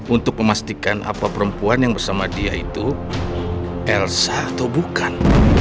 untuk memastikan apa perempuan yang bersama dia itu elsa atau bukan